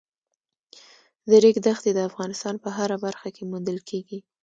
د ریګ دښتې د افغانستان په هره برخه کې موندل کېږي.